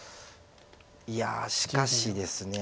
いやしかしですね